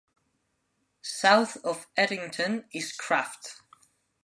South of Eddington is Krafft.